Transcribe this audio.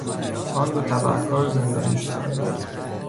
آن دو تبهکار زندانی شدند.